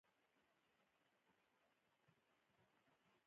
ځینې هنرمندان د پنسل مختلف ډولونه یو ځای کاروي.